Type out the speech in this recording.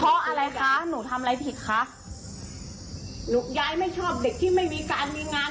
เพราะอะไรคะหนูทำอะไรผิดคะลูกยายไม่ชอบเด็กที่ไม่มีการมีงาน